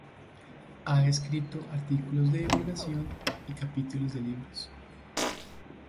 Ha escrito artículos de divulgación y capítulos de libros.